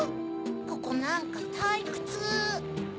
ここなんかたいくつ。